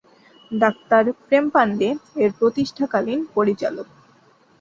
Doctor Prem Pandey এর প্রতিষ্ঠাকালীন পরিচালক।